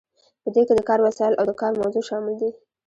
په دې کې د کار وسایل او د کار موضوع شامل دي.